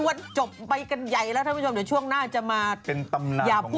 ไม่ใช่ค่าตัวเอกจอไอซ่องไอซ่องเขาตบนุ๊กเห็นน่ะ